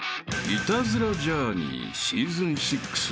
［『イタズラ×ジャーニー』シーズン６］